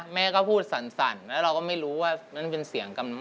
แม่ก็พูดสั่นแล้วเราก็ไม่รู้ว่านั่นเป็นเสียงกัน